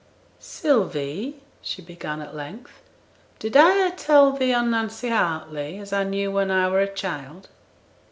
'Sylvie,' she began at length, 'did I e'er tell thee on Nancy Hartley as I knew when I were a child?